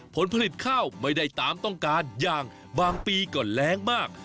ผลผลิตข้าวไม่ได้ตามต้องการอย่างบางปีก็แรงมาก